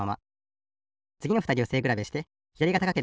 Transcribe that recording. つぎのふたりを背くらべしてひだりが高ければいれかわる。